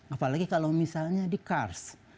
apalagi kalau misalnya di kars